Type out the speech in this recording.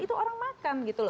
itu orang makan gitu loh